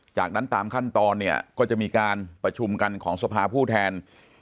จากนั้นตามขั้นตอนเนี่ยก็จะมีการประชุมกันของสภาผู้แทน